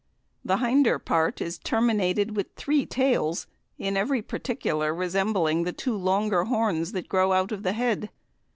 The hinder part is terminated with three tails, in every particular resembling the two longer horns that grow out of the head.